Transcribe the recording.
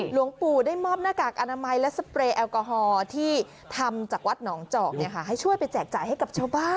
หลวงปู่ได้มอบหน้ากากอนามัยและสเปรย์แอลกอฮอล์ที่ทำจากวัดหนองจอกให้ช่วยไปแจกจ่ายให้กับชาวบ้าน